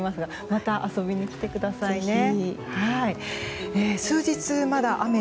また遊びに来てくださいね。